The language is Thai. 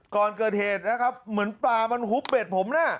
ก่อนเกิดเหตุนะครับเหมือนปลามันหุบเบ็ดผมน่ะ